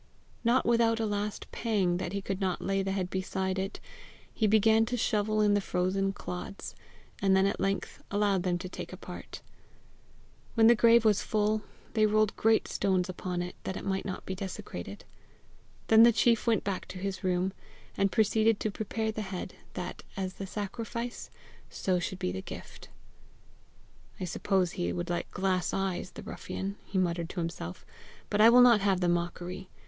Not without a last pang that he could not lay the head beside it, he began to shovel in the frozen clods, and then at length allowed them to take a part. When the grave was full, they rolled great stones upon it, that it might not be desecrated. Then the chief went back to his room, and proceeded to prepare the head, that, as the sacrifice, so should be the gift. "I suppose he would like glass eyes, the ruffian!" he muttered to himself, "but I will not have the mockery.